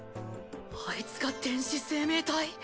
あいつが電子生命体？